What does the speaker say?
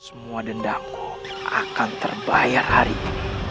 semua dendamku akan terbayar hari ini